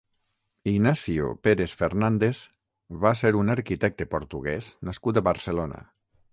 Inácio Peres Fernandes va ser un arquitecte portuguès nascut a Barcelona.